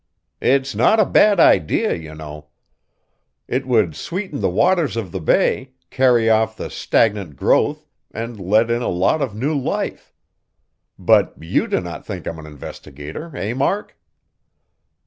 "It's not a bad idea, you know. It would sweeten the waters of the bay, carry off the stagnant growth and let in a lot of new life. But you do not think I'm an investigator, eh, Mark?"